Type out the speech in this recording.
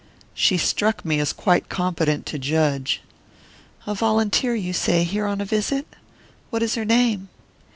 "She struck me as quite competent to judge." "A volunteer, you say, here on a visit? What is her name?"